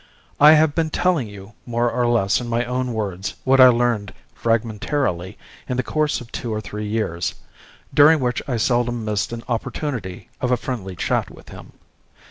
I have been telling you more or less in my own words what I learned fragmentarily in the course of two or three years, during which I seldom missed an opportunity of a friendly chat with him.